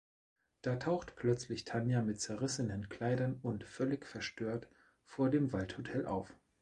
Da taucht plötzlich Tanja mit zerrissenen Kleidern und völlig verstört vor dem Waldhotel auf.